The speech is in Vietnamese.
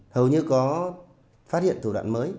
hầu như có phát hiện thủ đoạn mới